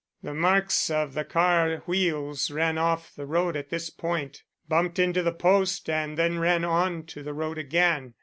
"The marks of the car wheels ran off the road at this point, bumped into the post, and then ran on to the road again."